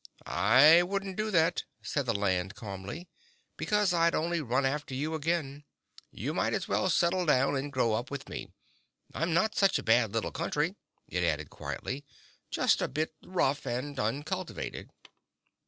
"I wouldn't do that," said the Land calmly, "because I'd only run after you again. You might as well settle down and grow up with me. I'm not such a bad little Country," it added quietly, "just a bit rough and uncultivated."